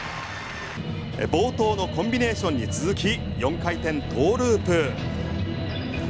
冒頭のコンビネーションに続き４回転トウループ。